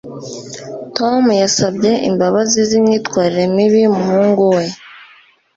tom yasabye imbabazi z'imyitwarire mibi y'umuhungu we